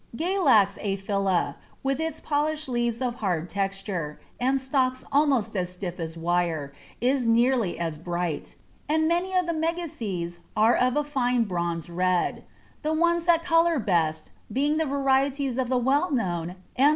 Galax aphylla, with its polished leaves of hard texture, and stalks almost as stiff as wire, is nearly as bright; and many of the Megaseas are of a fine bronze red, the ones that colour best being the varieties of the well known _M.